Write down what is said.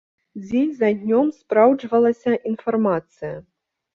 Дзень за днём спраўджвалася інфармацыя.